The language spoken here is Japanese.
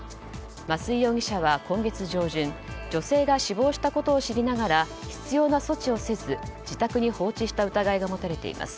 増井容疑者は今月上旬女性が死亡したことを知りながら必要な措置をせず自宅に放置した疑いが持たれています。